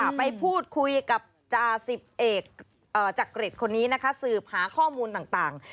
ไปพูดคุยกับจ่าสิบเอกจักริตคนนี้นะคะสืบหาข้อมูลต่าง